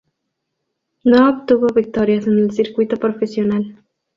No obtuvo victorias en el circuito profesional.